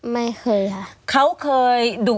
ไม่เคยค่ะ